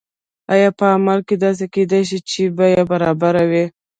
آیا په عمل کې داسې کیدای شي چې بیې برابرې وي؟